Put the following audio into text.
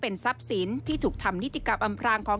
เป็นทรัพย์สินที่ถูกทำนิติกับอำพลางของ